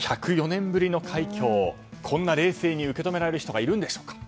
１０４年ぶりの快挙をこんな冷静に受け止められる人がいるんでしょうか。